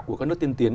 của các nước tiên tiến